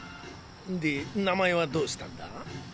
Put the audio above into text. で名前はどうしたんだ？